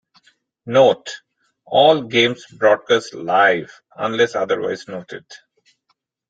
Note: All games broadcast live unless otherwise noted.